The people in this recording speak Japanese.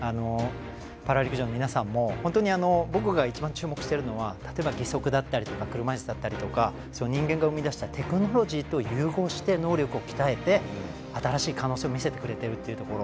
パラ陸上の皆さんも僕が一番注目しているのは例えば義足だったりとか車いすだったりとか人間が生み出したテクノロジーと融合して、能力を鍛えて新しい可能性を見せてくれているところ。